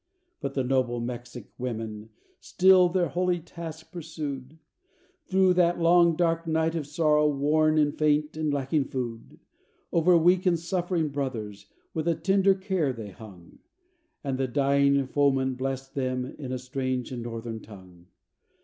But the noble Mexic women still their holy task pursued, Through that long dark night of sorrow worn and faint and lacking food; Over weak and suffering brothers, with a tender care they hung, And the dying foeman bless'd them in a strange and Northern tongue.